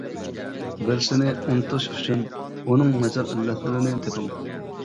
بىرسىنى ئۇنتۇش ئۈچۈن ئۇنىڭ ناچار ئىللەتلىرىنى تېپىڭ.